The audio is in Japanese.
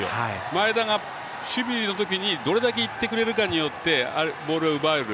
前田が守備のときにどれだけ行ってくれるかによってボールが奪える。